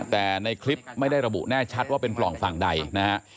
แต่ในคลิปไม่ได้ระบุแน่ชัดว่าเป็นปล่องฝั่งใดนะฮะ